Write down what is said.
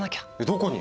どこに？